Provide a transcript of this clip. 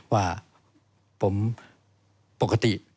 ว่าผมปกติ